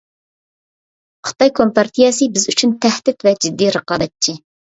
خىتاي كومپارتىيەسى بىز ئۈچۈن تەھدىت ۋە جىددىي رىقابەتچى.